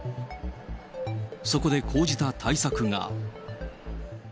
そこで講じた対策が。